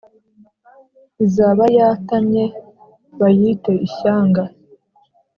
izaba yatannye bayite ishyanga